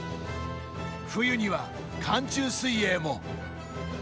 冬には寒中水泳も。